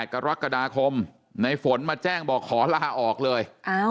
กรกฎาคมในฝนมาแจ้งบอกขอลาออกเลย